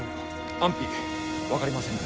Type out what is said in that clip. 安否分かりませぬ。